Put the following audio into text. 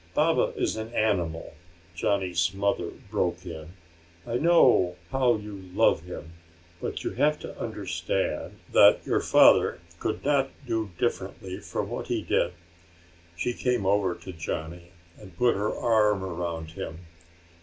"Baba is an animal," Johnny's mother broke in. "I know how you love him. But you have to understand that your father could not do differently from what he did." She came over to Johnny and put her arm around him.